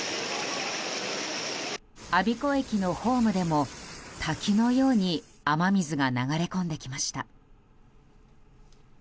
我孫子駅のホームでも滝のように雨水が流れ込んできました。